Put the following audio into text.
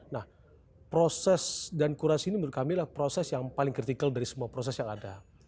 nah proses dan kurasi ini menurut kami adalah proses yang paling kritikal dari semua proses yang ada